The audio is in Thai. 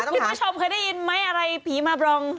คุณผู้ชมเคยได้ยินไหมอะไรผีมาบรอง